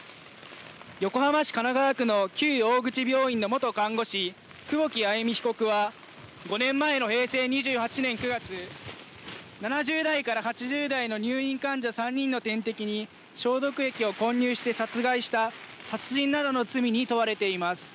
横浜市神奈川区の旧大口病院の元看護師久保木愛弓被告は５年前の平成２８年９月７０代から８０代の入院患者３人の点滴に消毒液を混入して殺害した殺人などの罪に問われています。